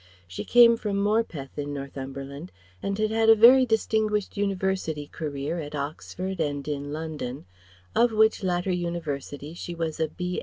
She came from Morpeth in Northumberland and had had a very distinguished University career at Oxford and in London, of which latter university she was a B.